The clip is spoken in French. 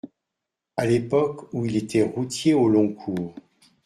À l’époque où il était routier au long cours